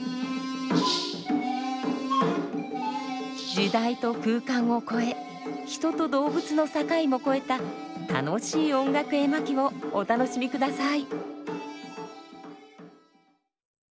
時代と空間を超え人と動物の境も超えた楽しい音楽絵巻をお楽しみください。